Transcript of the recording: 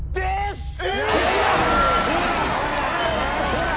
ほら！